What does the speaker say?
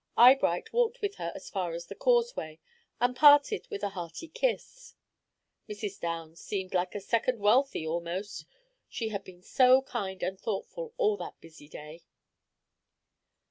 Eyebright walked with her as far as the causeway, and parted with a hearty kiss. Mrs. Downs seemed like a second Wealthy, almost, she had been so kind and thoughtful all that busy day.